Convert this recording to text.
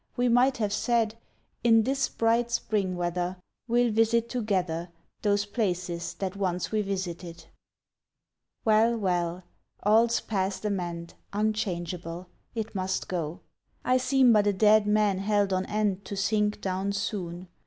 We might have said, "In this bright spring weather We'll visit together Those places that once we visited." Well, well! All's past amend, Unchangeable. It must go. I seem but a dead man held on end To sink down soon